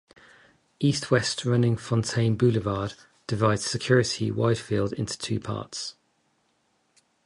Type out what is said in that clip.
East-west running Fontaine Boulevard divides Security-Widefield into two parts.